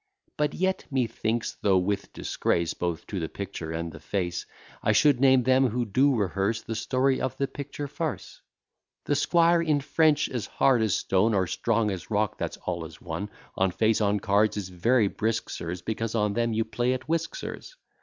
But yet, methinks, though with disgrace Both to the picture and the face, I should name them who do rehearse The story of the picture farce; The squire, in French as hard as stone, Or strong as rock, that's all as one, On face on cards is very brisk, sirs, Because on them you play at whisk, sirs.